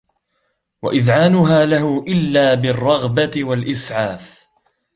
وَإِذْعَانُهَا لَهُ إلَّا بِالرَّغْبَةِ وَالْإِسْعَافِ